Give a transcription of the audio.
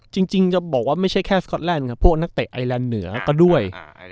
จริงจะบอกว่าไม่ใช่แค่สก๊อตแลนด์ครับพวกนักเตะไอแลนด์เหนือก็ด้วย